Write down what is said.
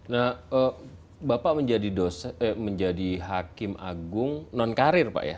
nah bapak menjadi hakim agung non karir pak ya